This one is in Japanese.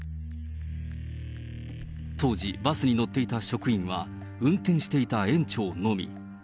当時、バスに乗っていた職員は運転していた園長のみ。